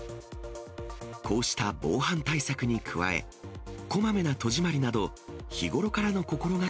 こうした防犯対策に加え、こまめな戸締まりなど、日頃からの心が